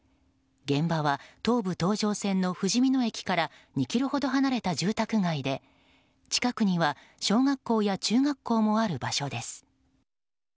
現場は東武東上線のふじみ野駅から２ｋｍほど離れた住宅街で近くには小学校や中学校もある場所です。